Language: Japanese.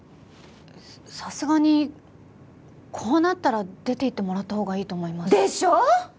さすがにこうなったら出ていってもらったほうがいいと思います。でしょう？